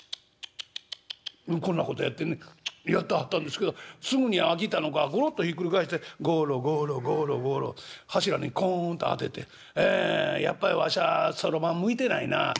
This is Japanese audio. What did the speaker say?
「こんなことやってねやってはったんですけどすぐに飽きたのかゴロッとひっくり返してゴロゴロゴロゴロ柱にコンと当ててええ『やっぱりわしゃそろばん向いてないな。